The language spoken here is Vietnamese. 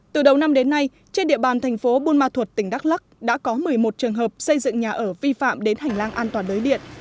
từ đầu năm đến nay trên địa bàn thành phố buôn ma thuột tỉnh đắk lắc đã có một mươi một trường hợp xây dựng nhà ở vi phạm đến hành lang an toàn lưới điện